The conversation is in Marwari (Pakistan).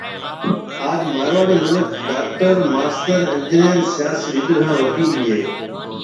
آج مارواڙي مِنک ڊاڪٽر، ماستر ، انجينئر، سياسي ليڊر ھان وڪيل ھيَََ